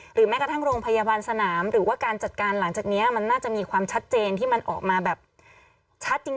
แม้กระทั่งโรงพยาบาลสนามหรือว่าการจัดการหลังจากนี้มันน่าจะมีความชัดเจนที่มันออกมาแบบชัดจริง